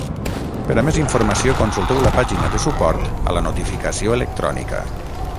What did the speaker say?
Per a més informació consulteu la pàgina de suport a la notificació electrònica.